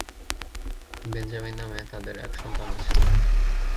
Benjamin নামে তাঁদের এক সন্তান আছে।